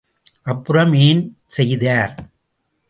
அப்புறம் ஏன் செய்தார்?